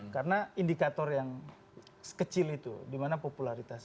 karena indikator yang kecil itu dimana popularitas